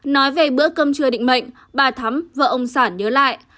nói về bữa cơm chưa định mệnh bà thắm vợ ông sản nhớ lại